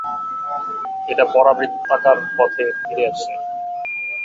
এটা পরাবৃত্তাকার পথে ফিরে আসে।